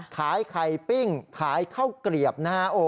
ขายไข่ปิ้งขายข้าวเกลียบนะฮะ